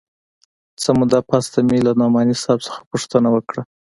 څه موده پس ته مې له نعماني صاحب څخه پوښتنه وکړه.